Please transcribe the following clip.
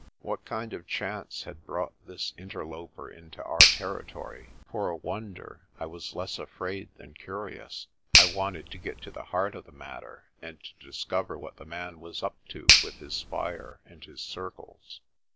What kind of chance had brought this interloper into our territory? For a wonder I was less afraid than curious. I wanted to get to the heart of the matter, and to discover what the man was up to with his fire and his circles.